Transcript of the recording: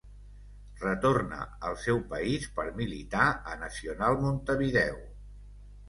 Retorna al seu país per militar a Nacional Montevideo.